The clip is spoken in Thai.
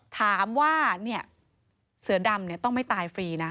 ถามว่าเสือดำต้องไม่ตายฟรีนะ